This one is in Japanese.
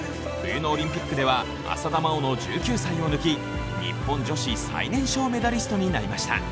冬のオリンピックでは、浅田真央の１９歳を抜き日本女子最年少メダリストになりました。